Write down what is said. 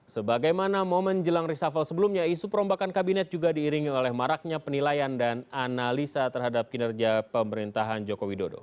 sebagaimana momen jelang reshuffle sebelumnya isu perombakan kabinet juga diiringi oleh maraknya penilaian dan analisa terhadap kinerja pemerintahan joko widodo